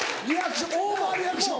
オーバーリアクション。